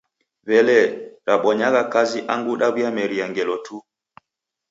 W'elee, rabonyagha kazi angu daw'iameria ngelo tu?